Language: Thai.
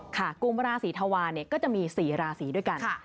ค่ะกลุ่มราศีทวารก็จะมี๔ราศีด้วยกัน